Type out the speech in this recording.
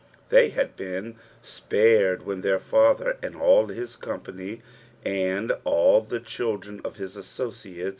They had been spared when their faUter and all his company, and all the children cf hit assocuUe.